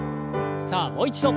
さあもう一度。